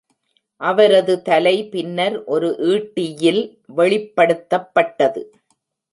அவரது தலை பின்னர் ஒரு ஈட்டியில் வெளிப்படுத்தப்பட்டது.